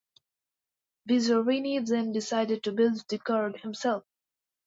Bizzarrini then decided to build the car himself.